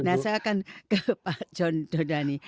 nah saya akan ke pak john dodani